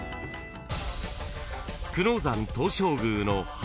［久能山東照宮の］